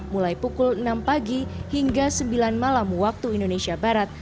mulai pukul enam pagi hingga sembilan malam waktu indonesia barat